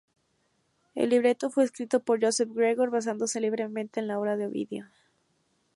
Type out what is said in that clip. El libreto fue escrito por Joseph Gregor basándose libremente en la obra de Ovidio.